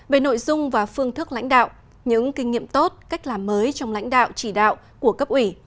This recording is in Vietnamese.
về nội dung và phương thức lãnh đạo những kinh nghiệm tốt cách làm mới trong lãnh đạo chỉ đạo của cấp ủy